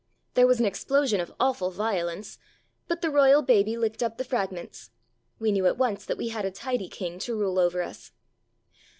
There was an explosion of awful violence, but the Royal baby licked up the fragments. ... We knew at once that we had a tidy king to rule over us.